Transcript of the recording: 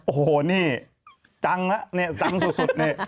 โอ้โหนี่จังละจังสุด